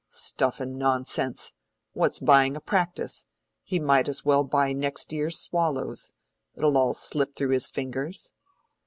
"Stuff and nonsense! What's buying a practice? He might as well buy next year's swallows. It'll all slip through his fingers."